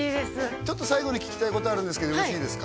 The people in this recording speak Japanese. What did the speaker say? ちょっと最後に聞きたいことあるんですけどよろしいですか？